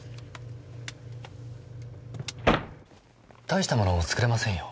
たいしたもの作れませんよ。